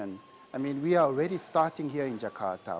kami sudah mulai di jakarta